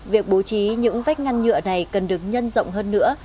việc bố trí những vách ngăn nhựa này cần được nhân rộng hơn nữa